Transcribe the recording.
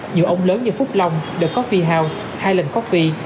nhiều ông lớn như phúc long the coffee house highland coffee